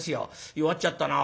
「弱っちゃったなおい。